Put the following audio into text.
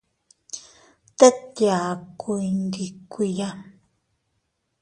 Tet yaku iyndikuiya.